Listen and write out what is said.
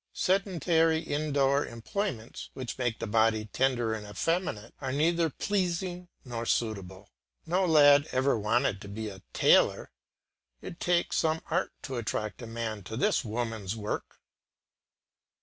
Sedentary indoor employments, which make the body tender and effeminate, are neither pleasing nor suitable. No lad ever wanted to be a tailor. It takes some art to attract a man to this woman's work.